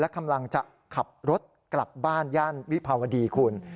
กำลังจะขับรถกลับบ้านย่านวิภาวดีคุณ